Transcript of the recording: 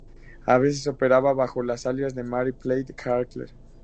A veces operaba bajo el alias de "Mary Pat Clarke".